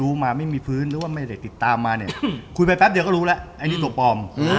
ว่าไม่ได้ติดตามมาเนี่ยคุยไปแป๊บเดี๋ยวก็รู้แล้วอันนี้ตัวปลอม